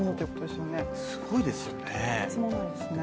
すごいですよね。